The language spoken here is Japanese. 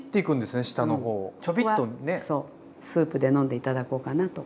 ここはスープで飲んで頂こうかなと。